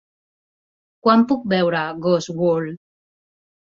Quan puc veure Ghost World